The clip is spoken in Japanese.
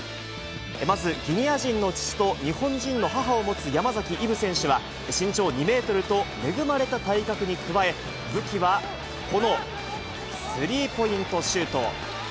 まず、ギニア人の父と日本人の母を持つ山崎一渉選手は身長２メートルと恵まれた体格に加え、武器はこのスリーポイントシュート。